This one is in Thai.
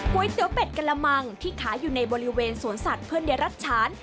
ก๋วยเตี๋ยวเป็ดก๋วยละมังที่ขายอยู่ในบริเวณสวนสัตว์เพื่อเนียรัชชาญ